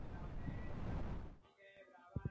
La piedra angular de St.